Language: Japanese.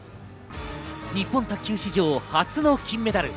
日本卓球史上初の金メダル！